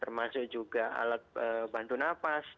termasuk juga alat bantu nafas